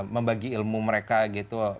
membagi ilmu mereka gitu